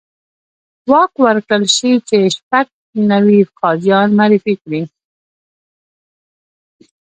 واک ورکړل شي چې شپږ نوي قاضیان معرفي کړي.